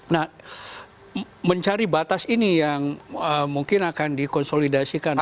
nah mencari batas ini yang mungkin akan dikonsolidasikan